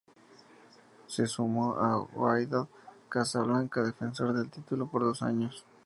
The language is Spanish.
Se sumó a Wydad Casablanca, defensor del título por dos años.